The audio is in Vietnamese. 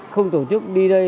không tổ chức đi đây